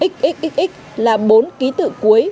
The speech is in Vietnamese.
xxxx là bốn ký tự cuối